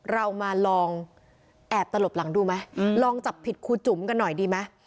เรามาลองแอบตลบหลังดูไหมลองจับผิดครูจุ๋มกันหน่อยดีไหม